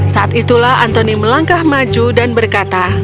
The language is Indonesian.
saat itulah antoni melangkah maju dan berkata